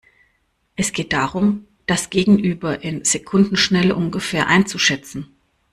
Es geht darum, das Gegenüber in Sekundenschnelle ungefähr einzuschätzen.